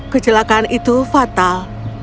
kecelakaan itu fatal